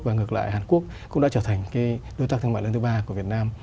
và ngược lại hàn quốc cũng đã trở thành đối tác thương mại lớn thứ ba của việt nam